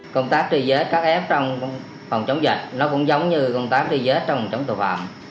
công tác truy vết các ép trong phòng chống dịch nó cũng giống như công tác truy vết trong chống tội phạm